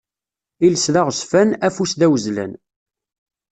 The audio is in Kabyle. Iles d aɣezfan, afus d awezlan.